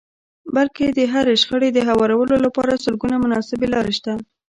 بلکې د هرې شخړې د هوارولو لپاره سلګونه مناسبې لارې شته.